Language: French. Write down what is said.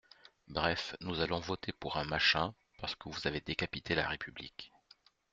Bref, nous allons voter pour un « machin » parce que vous avez décapité la République.